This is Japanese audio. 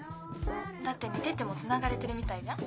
だって寝ててもつながれてるみたいじゃん。